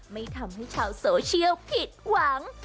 ไม่ทำให้ชาวโซเชียลผิดหวัง